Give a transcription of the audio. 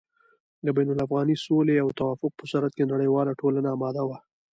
د بين الافغاني سولې او توافق په صورت کې نړېواله ټولنه اماده وه